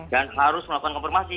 dan harus melakukan konfirmasi